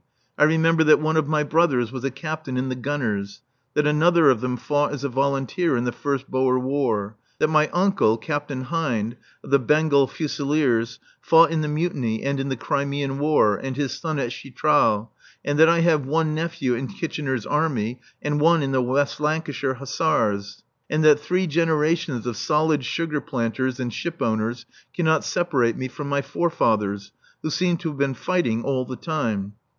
I remember that one of my brothers was a Captain in the Gunners, that another of them fought as a volunteer in the first Boer War; that my uncle, Captain Hind, of the Bengal Fusiliers, fought in the Mutiny and in the Crimean War, and his son at Chitral, and that I have one nephew in Kitchener's Army and one in the West Lancashire Hussars; and that three generations of solid sugar planters and ship owners cannot separate me from my forefathers, who seem to have been fighting all the time.